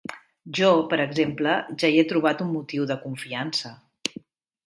Jo, per exemple, ja hi he trobat un motiu de confiança.